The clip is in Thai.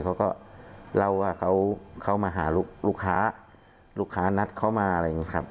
เขาก็เล่าว่าเขามาหาลูกค้าลูกค้านัดเขามาอะไรอย่างนี้ครับ